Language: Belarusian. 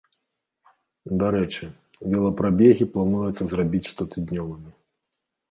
Дарэчы, велапрабегі плануецца зрабіць штотыднёвымі.